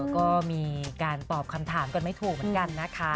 ก็มีการตอบคำถามกันไม่ถูกเหมือนกันนะคะ